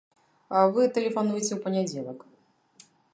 Вы тэлефануйце ў панядзелак.